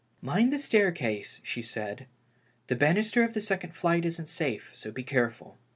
"Mind the staircase," she said, "the banister of the second flight isn't safe, so be careful."